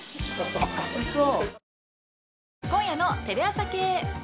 熱そう。